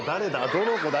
どの子だ？